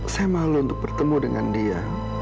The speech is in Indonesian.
saya malu untuk bertemu dengan dia